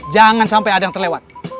jangan sampai ada yang terlewat